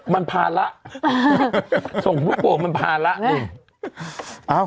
มันผ่านละส่งลูกโผงมันผ่านละ